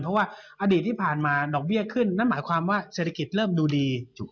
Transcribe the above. เพราะว่าอดีตที่ผ่านมาดอกเบี้ยขึ้นนั่นหมายความว่าเศรษฐกิจเริ่มดูดี